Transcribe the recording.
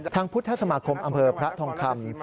พุทธสมาคมอำเภอพระทองคำ